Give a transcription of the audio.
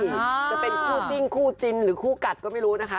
จะเป็นคู่จิ้นคู่จินหรือคู่กัดก็ไม่รู้นะคะ